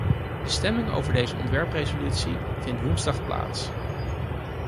De stemming over deze ontwerpresolutie vindt woensdag plaats.